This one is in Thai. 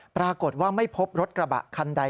ปรากฏว่าไม่พบรถกระบะคันใด